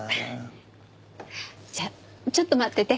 じゃあちょっと待ってて。